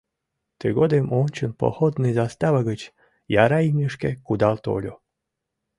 Тыгодым ончыл походный застава гыч яраимнешке кудал тольо.